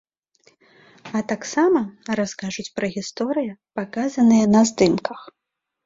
А таксама раскажуць пра гісторыі, паказаныя на здымках.